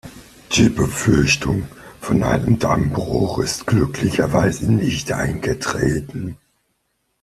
Die Befürchtung vor einem Dammbruch ist glücklicherweise nicht eingetreten.